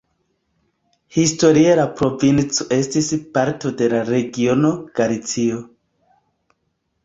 Historie la provinco estis parto de la regiono Galicio.